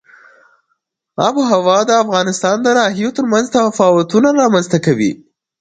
آب وهوا د افغانستان د ناحیو ترمنځ تفاوتونه رامنځ ته کوي.